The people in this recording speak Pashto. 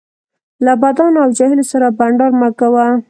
له بدانو او جاهلو سره بنډار مه کوه